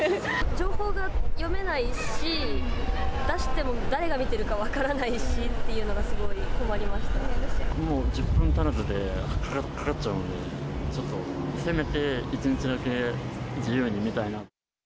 情報が読めないし、出しても誰が見てるか分からないしっていうのが、すごい困りましもう、１０分足らずでかかっちゃうので、ちょっと、せめて１日だけ自由に見たいな。